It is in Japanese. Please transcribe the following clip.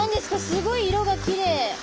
すごい色がきれい！